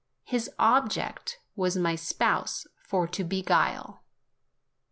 His object, was my spouse for to beguile.